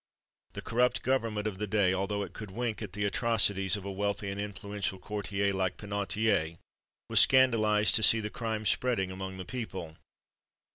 The corrupt government of the day, although it could wink at the atrocities of a wealthy and influential courtier like Penautier, was scandalised to see the crime spreading among the people.